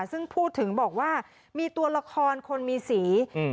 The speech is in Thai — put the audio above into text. ซึ่งพูดถึงบอกว่ามีตัวละครคนมีสีอืม